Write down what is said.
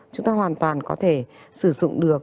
chúng ta hoàn toàn có thể sử dụng được